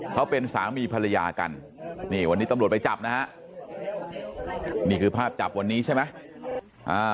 เขาเป็นสามีภรรยากันนี่วันนี้ตำรวจไปจับนะฮะนี่คือภาพจับวันนี้ใช่ไหม